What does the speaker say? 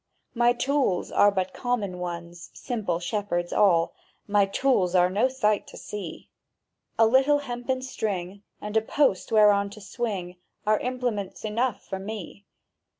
My tools are but common ones, Simple shepherds all— My tools are no sight to see: A little hempen string, and a post whereon to swing, Are implements enough for me!